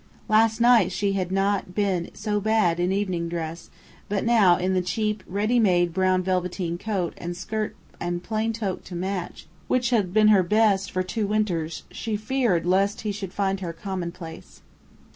Last night she had not been so bad in evening dress; but now in the cheap, ready made brown velveteen coat and skirt and plain toque to match, which had been her "best" for two winters, she feared lest he should find her commonplace.